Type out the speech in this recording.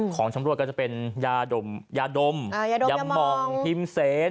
ของชำรวดก็จะเป็นยาดมยาดมยามองพิมเซน